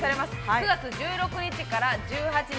９月１６日土曜日から１８日